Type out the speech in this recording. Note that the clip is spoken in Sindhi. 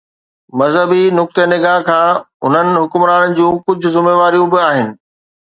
مذهبي نقطه نگاهه کان هنن حڪمرانن جون ڪجهه ذميواريون به آهن.